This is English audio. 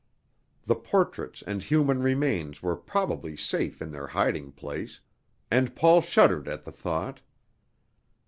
The portraits and human remains were probably safe in their hiding place, and Paul shuddered at the thought.